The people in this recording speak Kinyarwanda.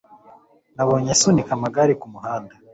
Nabonye asunika amagare kumuhanda.